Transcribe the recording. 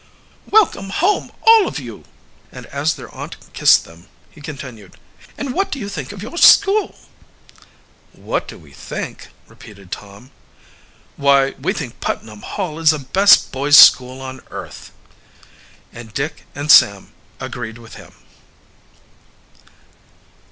"Welcome home, all of you!" cried Randolph Rover. And as their aunt kissed them, he continued, "And what do you think of your school?" "What do we think?" repeated Tom. "Why, we think Putnam Hall is the best boys school on earth!" And Dick and Sam agreed with him.